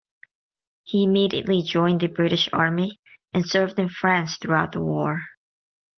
He immediately joined the British Army and served in France throughout the war.